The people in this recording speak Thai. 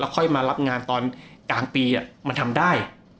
ค่อยมารับงานตอนกลางปีมันทำได้